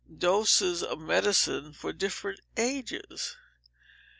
Doses of Medicine for Different Ages.